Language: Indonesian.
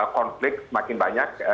konflik semakin banyak